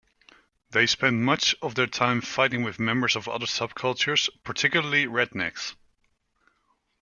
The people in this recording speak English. They spend much of their time fighting with members of other subcultures, particularly rednecks.